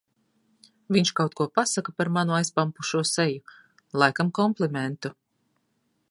Viņš kaut ko pasaka par manu aizpampušo seju. Laikam komplimentu.